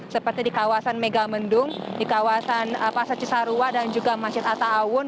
seperti di kawasan megamendung di kawasan pasar cisarua dan juga masjid atta awun